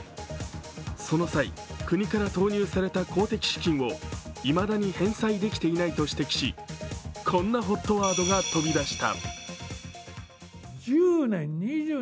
その際、国から投入された公的資金をいまだに返済できていないと指摘し、こんなＨＯＴワードが飛び出した。